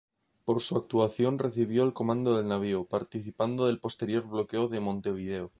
Por su actuación recibió el comando del navío, participando del posterior bloqueo de Montevideo.